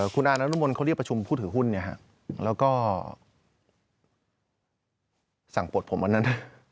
คุณอานรมนเขาเรียกประชุมผู้ถือหุ้นแล้วก็สั่งปลดผมอันนั้น